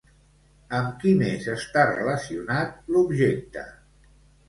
Amb qui més està relacionat l'objecte?